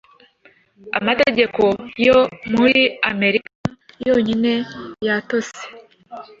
Amategeko yo muri Amerika yonyine yatose